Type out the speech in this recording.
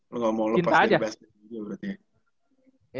lu gak mau lepas kecintaan